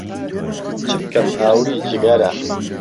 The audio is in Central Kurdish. چبکەم ئاوری جگهره